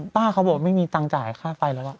ป้าเค้าบอกไม่มีตังจะจ่ายค่าไฟแล้วอ่ะ